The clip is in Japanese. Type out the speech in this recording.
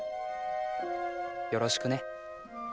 「よろしくね」